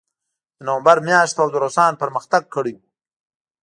د نومبر میاشت وه او روسانو پرمختګ کړی و